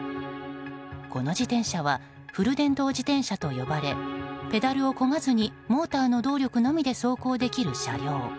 この自転車はフル電動自転車と呼ばれペダルをこがずにモーターの動力のみで走行できる車両。